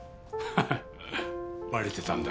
ハハッバレてたんだ。